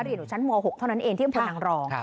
เรียนอยู่ชั้นม๖เท่านั้นเองเที่ยวเป็นผลังรอง